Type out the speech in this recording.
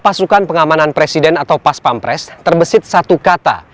pasukan pengamanan presiden atau pas pampres terbesit satu kata